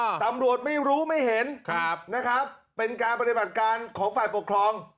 ตำรวจไม่รู้ไม่เห็นครับนะครับเป็นการปฏิบัติการของฝ่ายปกครอง